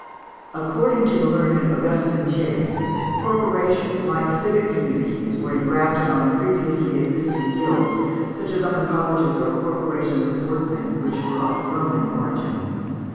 According to the learned Augustin Thierry, corporations, like civic communities, were engrafted on previously existing guilds, such as on the colleges or corporations of workmen, which were of Roman origin.